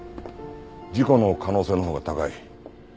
事故の可能性のほうが高い。